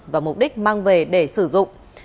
và mục đích mang về để sử dụng